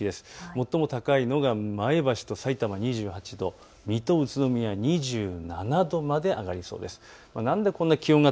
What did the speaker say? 最も高いのが前橋とさいたま２８度、水戸、宇都宮２７度まで上がりそうです。